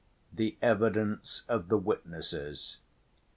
The Evidence Of The Witnesses.